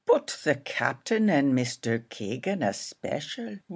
But the Captain and Mr. Keegan especial.